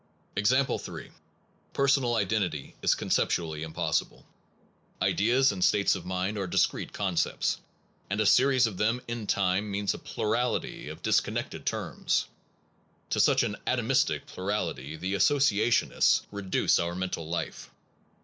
Example 3. Personal identity is conceptually impossible. Ideas and states of mind are discrete concepts, and a series of them in time means a plurality of disconnected terms. To such an atomistic plurality the associationists reduce our mental life.